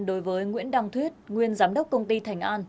đối với nguyễn đăng thuyết nguyên giám đốc công ty thành an